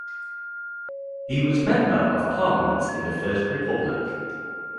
He was member of parliament in the first republic.